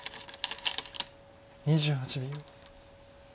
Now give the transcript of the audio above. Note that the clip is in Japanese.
２８秒。